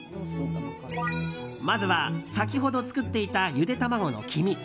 まずは先ほど作っていたゆで卵の黄身。